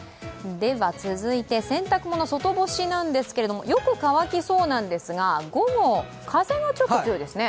続いて洗濯物、外干しなんですけれども、よく乾きそうなんですが、午後、風がちょっと強いですね。